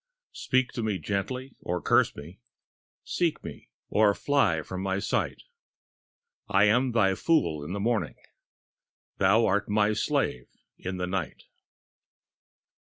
Speak to me gently or curse me, Seek me or fly from my sight; I am thy fool in the morning, Thou art my slave in the night.